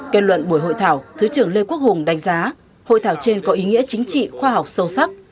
kết luận buổi hội thảo thứ trưởng lê quốc hùng đánh giá hội thảo trên có ý nghĩa chính trị khoa học sâu sắc